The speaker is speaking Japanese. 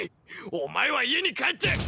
お前は家に帰って。